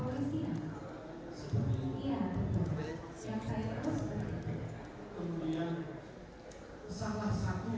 berlanjut dengan perjalanan ke istana bu